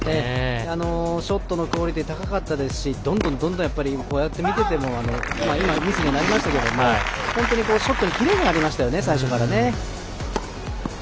ショットのクオリティー、高かったですしどんどん、こうやって見ててもミスになりましたけど本当にショットにキレがありましたよね、最初から。